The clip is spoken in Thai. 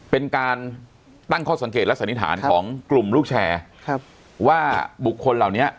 เป็นการตั้งข้อสังเกตและสันนิษฐานของกลุ่มลูกแชร์ว่าบุคคลเหล่านี้